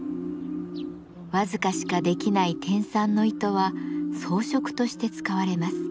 僅かしかできない天蚕の糸は装飾として使われます。